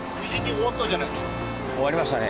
終わりましたね。